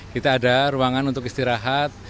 kita ada ruangan untuk istirahat